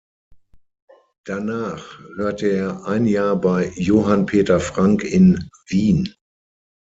Danach hörte er ein Jahr bei Johann Peter Frank in Wien.